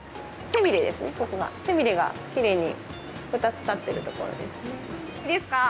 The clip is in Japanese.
背びれがきれいに２つ立っているところですね。